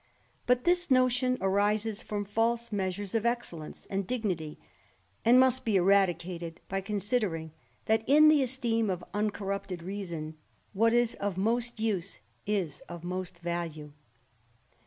But this notion arises from false measures of excellence and dignity, and must be eradicated by con sidering, that in the esteem of uncorrupted reason, what is of most use is of most value.